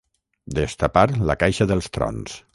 Destapar la caixa dels trons.